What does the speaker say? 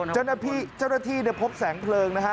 เจ้าหน้าที่พบแสงเพลิงนะฮะ